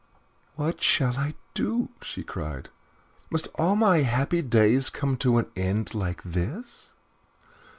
"What shall I do?" she cried. "Must all my happy days come to an end like this?"